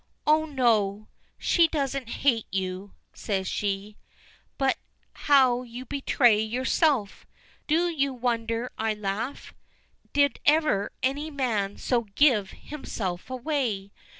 "Oh, no, she doesn't hate you," she says. "But how you betray yourself! Do you wonder I laugh? Did ever any man so give himself away?